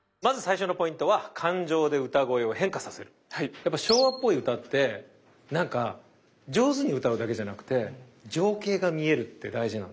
やっぱ昭和っぽい歌ってなんか上手に歌うだけじゃなくて情景が見えるって大事なの。